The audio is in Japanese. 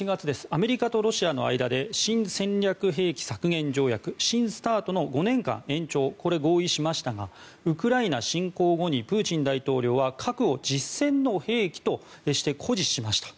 アメリカとロシアの間で新戦略兵器削減条約・新ＳＴＡＲＴの５年間延長を合意しましたがウクライナ侵攻後にプーチン大統領は核を実戦の兵器として誇示しました。